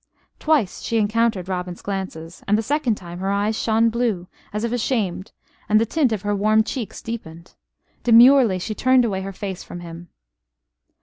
Twice she encountered Robin's glances; and the second time her eyes shone blue, as if ashamed, and the tint of her warm cheeks deepened. Demurely she turned away her face from him.